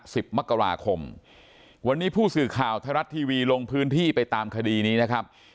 สิบมกราคมวันนี้ผู้สื่อข่าวไทยรัฐทีวีลงพื้นที่ไปตามคดีนี้นะครับ